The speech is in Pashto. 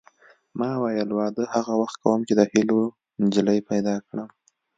ما ویل واده هغه وخت کوم چې د هیلو نجلۍ پیدا کړم